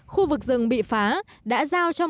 khu vực rừng bị phá đã giao cho một